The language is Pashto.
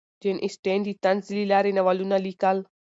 جین اسټن د طنز له لارې ناولونه لیکل.